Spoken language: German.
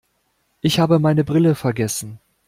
Ich habe meine Brille vergessen.